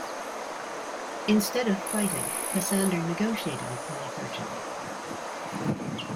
Instead of fighting, Cassander negotiated with Polyperchon.